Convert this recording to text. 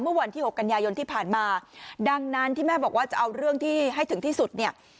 เมื่อวันที่หกกันยายนที่ผ่านมาดังนั้นที่แม่บอกว่าจะเอาเรื่องที่ให้ถึงที่สุดเนี่ย